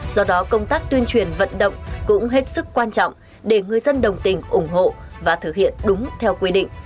do đó công tác tuyên truyền vận động cũng hết sức quan trọng để người dân đồng tình ủng hộ và thực hiện đúng theo quy định